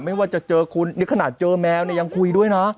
ไม่ว่าจะเจอคุณนี่ขนาดเจอแมวเนี่ยยังคุยด้วยนะ